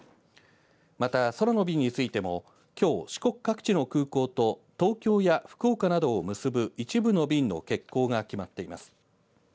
また、空の便についても、きょう四国各地の空港と東京や福岡などを結ぶ一部の便の欠航が決まっています。